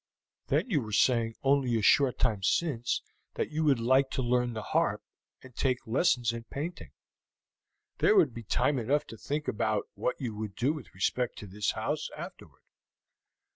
"Then you were saying only a short time since that you would like to learn the harp and take lessons in painting. There would be time enough to think about what you would do with respect to this house afterward."